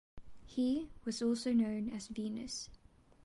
He was also known as Venus.